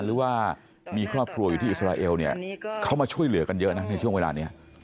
หรือว่ามีครอบครัวอยู่ที่อิสราเอลเนี่ยเขามาช่วยเหลือกันเยอะนะในช่วงเวลานี้